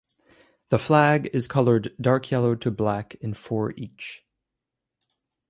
The flag is colored dark yellow to black in four each.